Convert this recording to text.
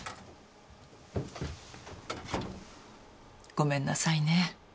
ごめんなさいね。